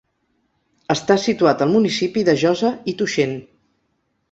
Està situat al municipi de Josa i Tuixén.